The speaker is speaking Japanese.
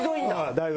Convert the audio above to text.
だいぶ。